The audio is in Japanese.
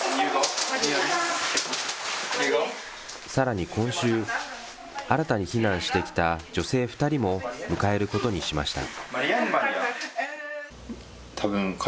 さらに今週、新たに避難してきた女性２人も迎えることにしました。